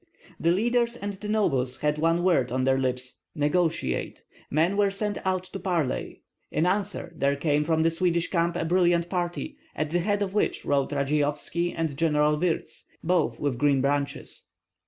The leaders and the nobles had one word on their lips, "Negotiate!" Men were sent out to parley. In answer there came from the Swedish camp a brilliant party, at the head of which rode Radzeyovski and General Wirtz, both with green branches.